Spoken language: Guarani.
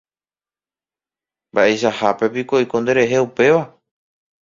Mba'eichahápepiko oiko nderehe upéva.